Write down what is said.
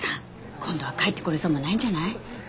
今度は帰ってこれそうもないんじゃない？